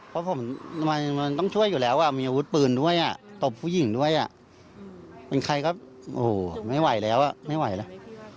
เพราะผมมันต้องช่วยอยู่แล้วมีอาวุธปืนด้วยอ่ะตบผู้หญิงด้วยอ่ะเป็นใครก็โอ้โหไม่ไหวแล้วไม่ไหวแล้ว